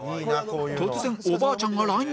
突然おばあちゃんが乱入